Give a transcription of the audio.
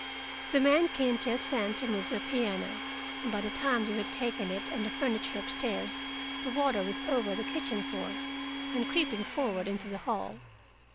The men came just then to move the piano, and by the time we had taken it and the furniture up stairs, the water was over the kitchen floor, and creeping forward into the hall.